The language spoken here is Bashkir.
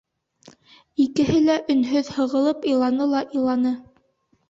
Икеһе лә өнһөҙ һығылып иланы ла иланы.